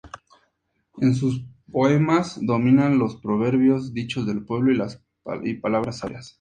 En sus poemas dominan los proverbios, dichos del pueblo y palabras sabias.